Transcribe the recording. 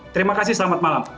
terima kasih selamat malam